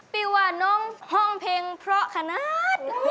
ปีหวานงฮ่องเพลงเพราะขนาด